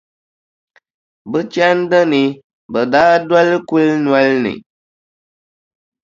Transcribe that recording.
Bɛ chandi ni, bɛ daa doli kulinoli ni.